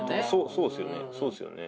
そうそうですよね